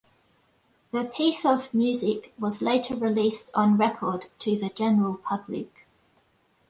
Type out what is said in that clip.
The piece of music was later released on record to the general public.